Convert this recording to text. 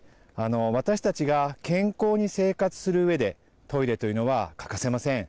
私たちが健康に生活するうえで、トイレというのは欠かせません。